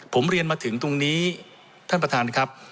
ผมเรียนมาถึงตรงนี้ท่านประธานครับ